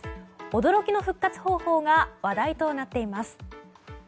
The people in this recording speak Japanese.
驚きの復活方法が話題となっています。